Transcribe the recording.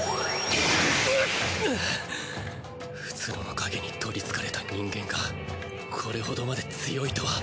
虚の影に取りつかれた人間がこれほどまで強いとは。